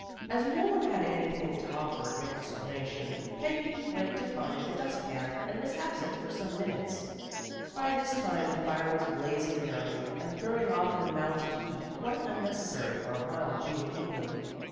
As no one had anything to offer in explanation, Peggy went to find the dustpan and was absent for some minutes. By this time the fire was blazing merrily, and throwing off an amount of heat quite unnecessary for a mild June evening.